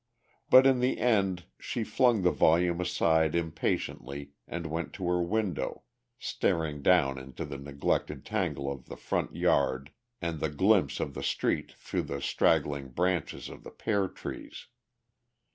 But in the end she flung the volume aside impatiently and went to her window, staring down into the neglected tangle of the front yard and the glimpse of the street through the straggling branches of the pear trees.